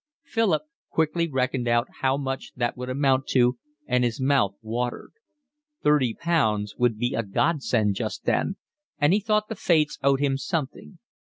Philip quickly reckoned out how much that would amount to, and his mouth watered; thirty pounds would be a godsend just then, and he thought the fates owed him something.